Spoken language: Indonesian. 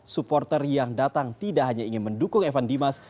supporter yang datang tidak hanya ingin mendukung evan dimas